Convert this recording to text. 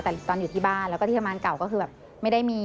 แต่ตอนอยู่ที่บ้านแล้วก็ที่ทำงานเก่าก็คือแบบไม่ได้มี